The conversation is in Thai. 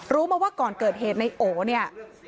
รู้มาว่าก่อนเกิดเหตุในโหวะ